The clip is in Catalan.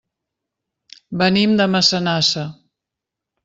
Venim de Massanassa.